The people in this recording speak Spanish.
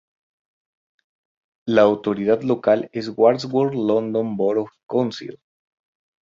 La autoridad local es Wandsworth London Borough Council.